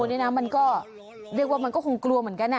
เพราะว่างูมันก็คงกลัวเหมือนกัน